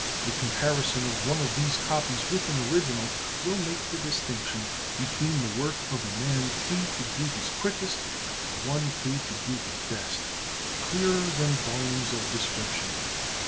A comparison of one of these copies with an original will make the distinction between the work of a man paid to do his quickest and one paid to do his best clearer than volumes of description.